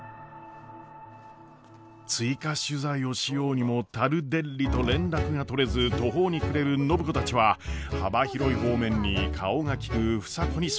追加取材をしようにもタルデッリと連絡が取れず途方に暮れる暢子たちは幅広い方面に顔が利く房子に相談。